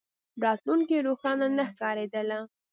راتلونکې روښانه نه ښکارېدله.